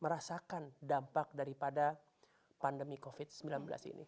merasakan dampak daripada pandemi covid sembilan belas ini